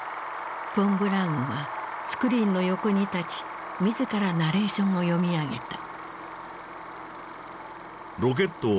フォン・ブラウンはスクリーンの横に立ち自らナレーションを読み上げた。